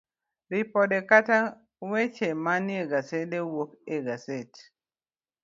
Ripode kata Gweche Manie Gasede wuok ga e gaset